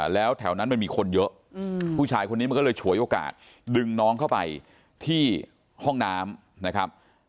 แล้วแถวนั้นมันมีคนเยอะผู้ชายคนนี้มันก็เลยฉวยโอกาสดึงน้องเข้าไปที่ห้องน้ำนะครับ